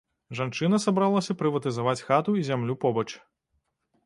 Жанчына сабралася прыватызаваць хату і зямлю побач.